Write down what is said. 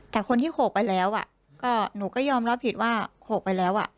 แต่คนที่โขกไปแล้วก็หนูก็ยอมรับผิดว่าโขกไปแล้ว